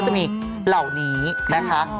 จะมีเหล่านี้นะคะ